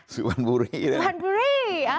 สุพรรณบุรี